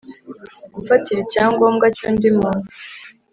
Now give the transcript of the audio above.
gufatira icyangombwa cy’undi muntu